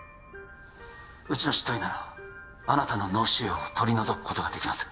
うちの執刀医ならあなたの脳腫瘍を取り除くことができます